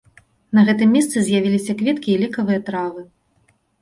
На гэтым месцы з'явіліся кветкі і лекавыя травы.